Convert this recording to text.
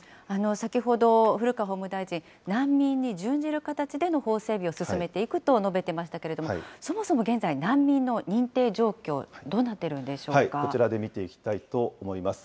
先ほど、古川法務大臣、難民に準じる形での法整備を進めていくと述べてましたけれども、そもそも現在、難民の認定状況、どうこちらで見ていきたいと思います。